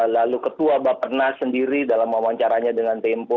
lalu ketua bapak pernah sendiri dalam wawancaranya dengan tempo